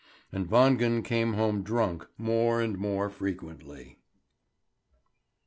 And Wangen came home drunk more and more frequently.